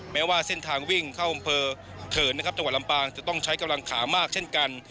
แม้ว่าเส้นทางวิ่งเข้าอำเภอเขินนะครับจังหวัดลำปางจะต้องใช้กำลังขามากเช่นกัน